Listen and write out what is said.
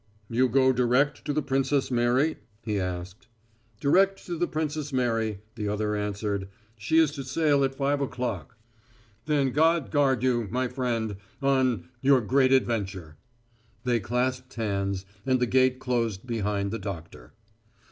"You go direct to the Princess Mary?" he asked. "Direct to the Princess Mary," the other answered. "She is to sail at five o'clock." "Then God guard you, my friend, on your great adventure." They clasped hands, and the gate closed behind the doctor.